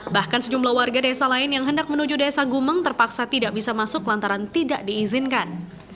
bahkan sejumlah warga desa lain yang hendak menuju desa gumeng terpaksa tidak bisa masuk lantaran tidak diizinkan